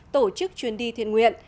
tổ chức chuyên đi thiên nguyện